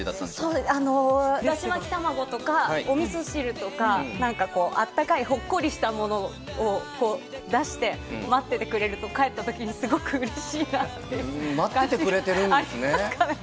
そうですね、だし巻き卵とか、おみそ汁とか、なんかこう、あったかいほっこりしたものをこう、出して、待っててくれると、帰ったときに、すごくうれしいなっていう、待っててくれてるんですね。